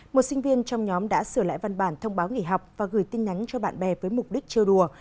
một sinh viên trong nhóm đã sửa lại văn bản thông báo nghỉ học và gửi tin nhắn cho bạn bè với mục đích trêu đùa